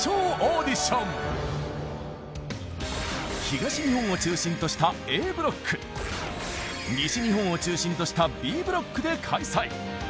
東日本を中心としたＡブロック西日本を中心としたＢブロックで開催。